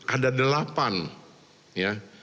ada delapan ya